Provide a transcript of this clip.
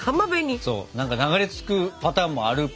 そう何か流れ着くパターンもあるっぽいよね。